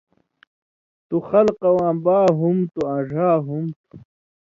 تُو خلکہ واں با ہُم تُھو آں ڙھا ہُم تُھو